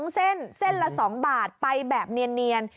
๒เส้นเส้นละ๒บาทไปแบบเนียน